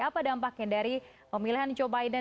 apa dampaknya dari pemilihan joe biden